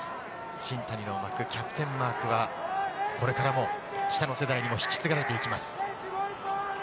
新谷が巻くキャプテンマークは、これからも下の世代にも引き継がれていきます。